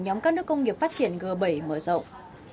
nhóm các nước công nghiệp phát triển g bảy mở rộng